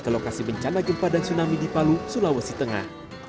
ke lokasi bencana gempa dan tsunami di palu sulawesi tengah